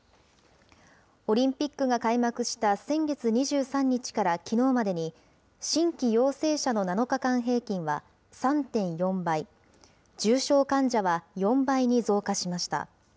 オリンピックが開幕した先月２３日からきのうまでに、新規陽性者の７日間平均は３．４倍、重症患者は４倍に増加しました。